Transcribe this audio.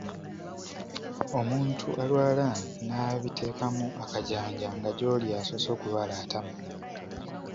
Omuntu alwala n’abiteekamu akajanja nga gy’oli y’asoose okulwala atama.